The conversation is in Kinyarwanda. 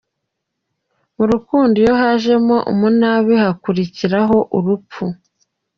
Mu rukundo iyo hajemo umunabi hakurikiraho urupfu….